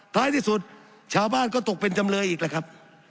ท้ายที่สุดชาวบ้านก็ตกเป็นจำเลยอีกแหละครับ